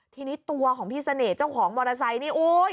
ทีนี้ตัวของพี่เสน่ห์เจ้าของมอเตอร์ไซค์นี่โอ๊ย